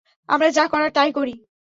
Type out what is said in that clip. আমরা যা করার, তাই করি।